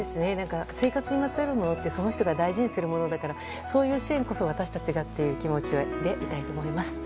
生活にまつわるものってその人が大事にするものだからそういう支援こそ私たちがという気持ちでいたいと思います。